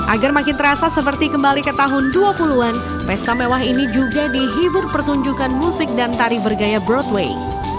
agar makin terasa seperti kembali ke tahun dua puluh an pesta mewah ini juga dihibur pertunjukan musik dan tari bergaya broadway